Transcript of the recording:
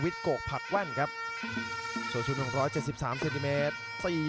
ทุกคนสามารถยินได้